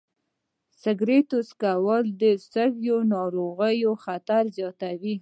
سګرټ څکول د سږو ناروغیو خطر زیاتوي.